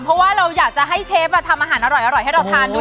เพราะว่าเราอยากจะให้เชฟทำอาหารอร่อยให้เราทานด้วย